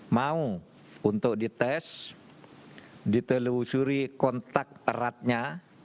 mau untuk dites ditelusuri kontak eratnya